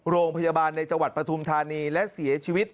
โรงพยาบาลในจังหวัดปฐุมธานีและเสียชีวิต